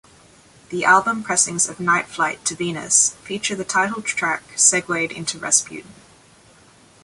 The album pressings of "Nightflight to Venus" feature the title track segued into "Rasputin".